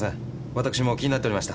私も気になっておりました。